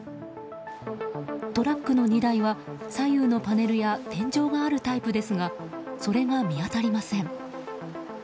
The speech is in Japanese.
トラックの荷台は左右のパネルや天井があるタイプですがそれが見当たりません。